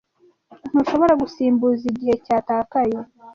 Ntushobora gusimbuza igihe cyatakaye.